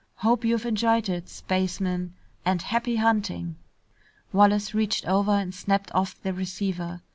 Hope you've enjoyed it, spacemen, and happy hunting!" Wallace reached over and snapped off the receiver.